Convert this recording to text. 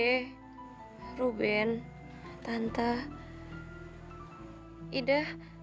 bangita bingung takut gua